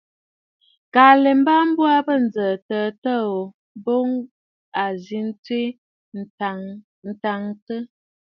Kə̀ à lɛ mbaà m̀bə bə ǹjə̀ə̀ təə təə ò, bəə boŋ a zi tsiꞌì taaŋgɔ̀ŋə̀.